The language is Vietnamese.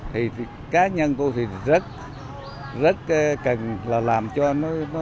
thì cá nhân tôi thì rất cần là làm cho nó